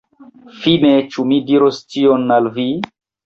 Fine, ĉu mi diros tion al vi?